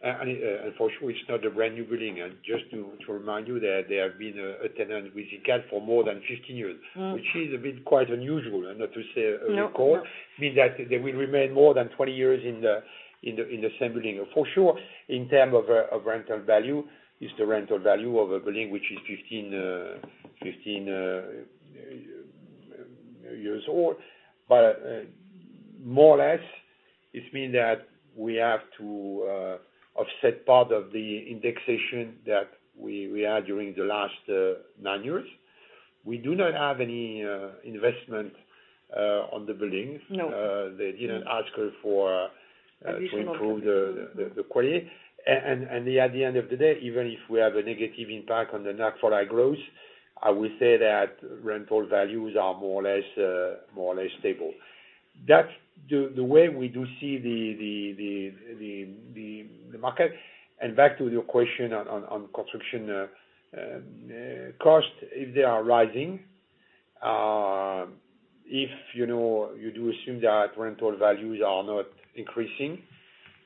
I mean, unfortunately, it's not a brand-new building. Just to remind you that they have been a tenant with Icade for more than 15 years. Mm-hmm. Which is a bit quite unusual, and not to say a record. No. Means that they will remain more than 20 years in the same building. For sure, in terms of rental value, it's the rental value of a building which is 15 years old. More or less, it mean that we have to offset part of the indexation that we had during the last nine years. We do not have any investment on the buildings. No. They didn't ask for. Additional investment. To improve the quality. At the end of the day, even if we have a negative impact on the net for our growth, I would say that rental values are more or less stable. That's the way we do see the market. Back to your question on construction cost, if they are rising, if you know you do assume that rental values are not increasing,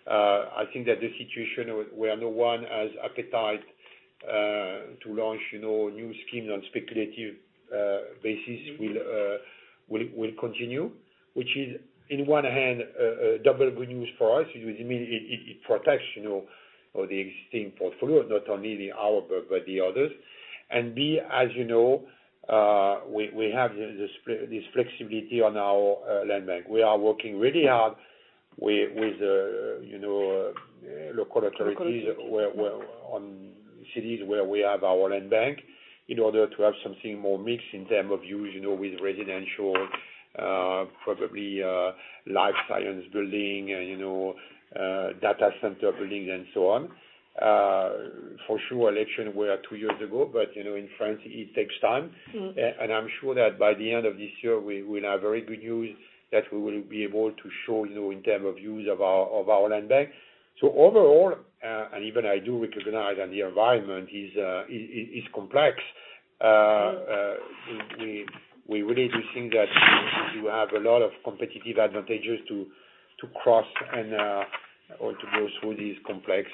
I think that the situation where no one has appetite to launch you know new schemes on speculative basis will continue, which is on one hand double good news for us, which means it protects you know the existing portfolio, not only ours, but the others. B, as you know, we have this flexibility on our land bank. We are working really hard with you know, local authorities- Local authorities. Where on cities where we have our land bank in order to have something more mixed in terms of use, you know, with residential, probably, life science building, you know, data center buildings and so on. For sure, elections were two years ago, but, you know, in France, it takes time. Mm-hmm. I'm sure that by the end of this year, we will have very good news that we will be able to show, you know, in terms of use of our land bank. Overall, and even I do recognize that the environment is complex. Mm-hmm. We really do think that you have a lot of competitive advantages to cross or to go through this complex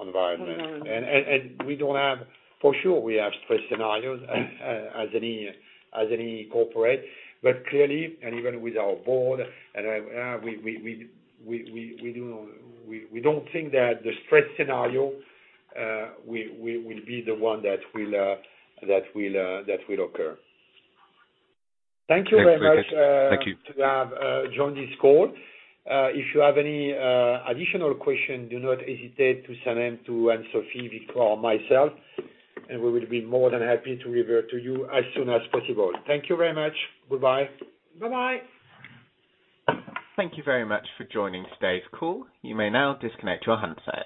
environment. Mm-hmm. For sure we have stress scenarios as any corporate. Clearly, even with our board, we don't think that the stress scenario will be the one that will occur. Thank you very much. Thanks very much. Thank you. For having joined this call. If you have any additional question, do not hesitate to send them to Anne-Sophie, Victoire or myself, and we will be more than happy to revert to you as soon as possible. Thank you very much. Bye-bye. Bye-bye. Thank you very much for joining today's call. You may now disconnect your handsets.